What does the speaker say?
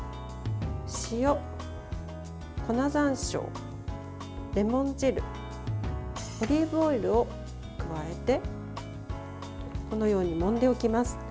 塩、粉ざんしょう、レモン汁オリーブオイルを加えてこのように、もんでおきます。